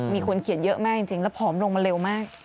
มีคนเขียนเยอะมากจริงแล้วผอมลงมาเร็วมาก